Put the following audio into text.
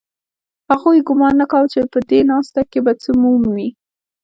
هغوی ګومان نه کاوه چې په دې ناسته کې به څه ومومي